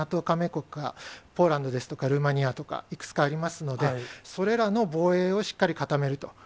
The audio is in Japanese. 加盟国が、ポーランドですとかルーマニアとか、いくつかありますので、それらの防衛をしっかりと固めると。